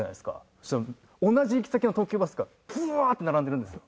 そしたら同じ行き先の東急バスがブワーッて並んでるんですよ。